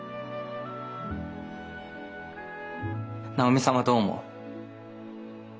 直美さんはどう思う？